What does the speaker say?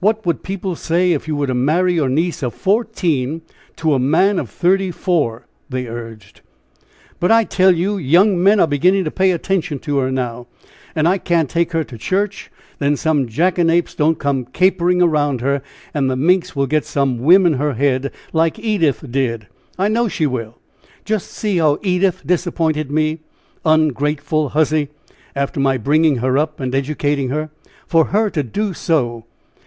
"What would people say if you were to marry your niece of fourteen to a man of thirty four?" they urged. "But I tell you, young men are beginning to pay attention to her now, and I can't take her to church that some jackanapes don't come capering around her, and the minx will get some whim in her head like Edith did I know she will! Just see how Edith disappointed me! ungrateful huzzy! after my bringing her up and educating her, for her to do so!